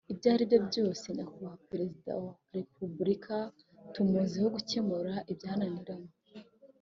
Ibyaribyo byose Nyakubahwa Perezida wa Repuburika tumuziho gukemura ibyananiranye